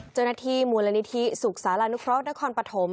เจ้าหน้าที่มูลนิธิศูกษาลานุคร็อกนครปฐม